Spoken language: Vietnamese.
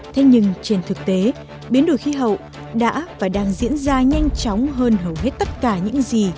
thế nhưng trên thực tế biến đổi khí hậu đã và đang diễn ra nhanh chóng hơn hầu hết tất cả những gì